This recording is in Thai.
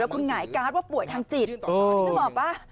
คุณหงายการ์ดว่าป่วยทางจิตนึกออกป่ะ